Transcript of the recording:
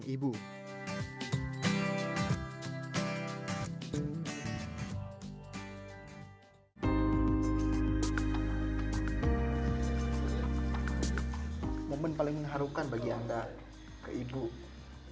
tersebut memiliki keuntungan dan keuntungan yang sangat menarik terhadap produk kulit lain